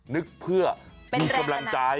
นึกเพื่อมีกำลังใจ